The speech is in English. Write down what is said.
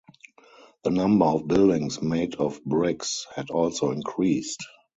The number of buildings made of bricks had also increased.